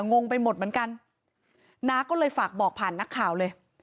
งงไปหมดเหมือนกันน้าก็เลยฝากบอกผ่านนักข่าวเลย